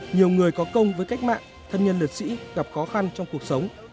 nhiều người có công với cách mạng thân nhân liệt sĩ gặp khó khăn trong cuộc sống